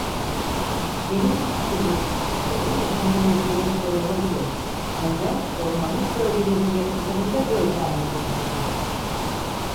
Geniş cüsseli yusufçukları yakından izlemek zor olabilir ancak ormanlık bölgelerin yakınlarında gözlenme izni verirler.